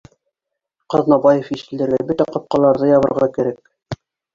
— Ҡаҙнабаев ишеләргә бөтә ҡапҡаларҙы ябырға кәрәк